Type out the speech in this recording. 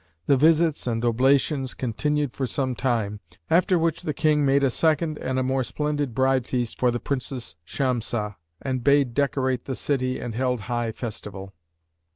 The visits and oblations continued for some time, after which the King made a second and a more splendid bride feast for the Princess Shamsah and bade decorate the city and held high festival.